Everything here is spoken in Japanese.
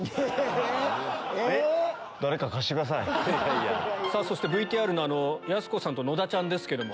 え⁉ＶＴＲのやす子さんと野田ちゃんですけど。